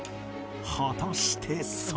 果たしてそれは